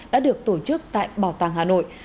đã được tổ chức tại bảo tàng hà nội